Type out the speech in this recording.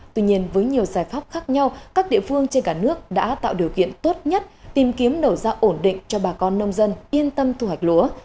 tuy nhiên với nhiều giải pháp khác nhau các địa phương trên cả nước đã tạo điều kiện tốt nhất tìm kiếm nổ ra ổn định cho bà con nông dân yên tâm thu hoạch lúa